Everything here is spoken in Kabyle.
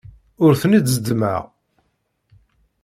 Ur ten-id-zeddmeɣ.